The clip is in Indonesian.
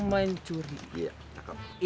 santri dilarang mencuri